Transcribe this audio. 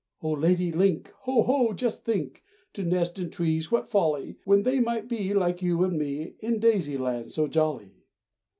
Oh, Lady link! Ho, ho! just think! To nest in trees what folly, When they might be, Like you and me, In Daisy land so jolly!